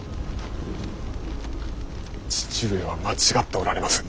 父上は間違っておられます。